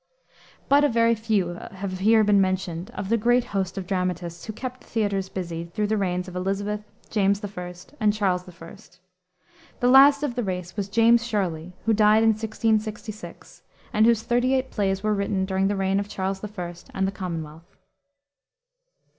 But a very few have here been mentioned of the great host of dramatists who kept the theaters busy through the reigns of Elisabeth, James I., and Charles I. The last of the race was James Shirley, who died in 1666, and whose thirty eight plays were written during the reign of Charles I. and the Commonwealth.